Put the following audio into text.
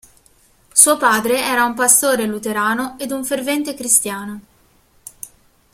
Suo padre era un pastore luterano ed un fervente cristiano.